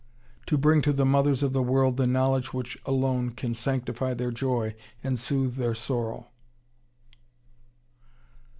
To bring to the mothers of the world the knowledge which alone can sanctify their joy and soothe their sorrow.